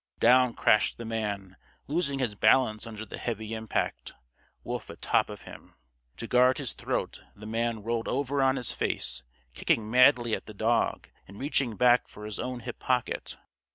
Down crashed the man, losing his balance under the heavy impact; Wolf atop of him. To guard his throat, the man rolled over on his face, kicking madly at the dog, and reaching back for his own hip pocket.